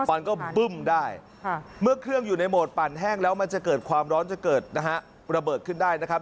มันก็บึ้มได้เมื่อเครื่องอยู่ในโหมดปั่นแห้งแล้วมันจะเกิดความร้อนจะเกิดนะฮะระเบิดขึ้นได้นะครับ